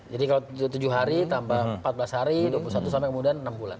jadi kalau tujuh hari tambah empat belas hari dua puluh satu sampai kemudian enam bulan